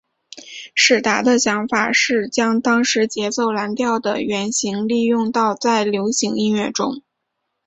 史达的想法是将当时节奏蓝调的原型利用到在流行音乐中。